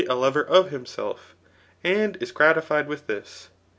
a lover of himself, and is gratified with this.